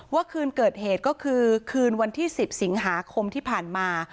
คืนเกิดเหตุก็คือคืนวันที่๑๐สิงหาคมที่ผ่านมา